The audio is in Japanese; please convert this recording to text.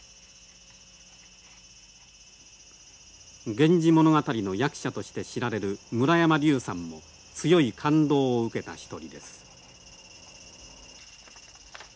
「源氏物語」の訳者として知られる村山リウさんも強い感動を受けた一人です。